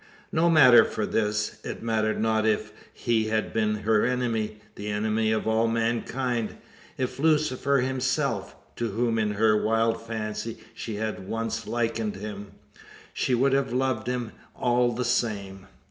No matter for this. It mattered not if he had been her enemy the enemy of all mankind. If Lucifer himself to whom in her wild fancy she had once likened him she would have loved him all the same!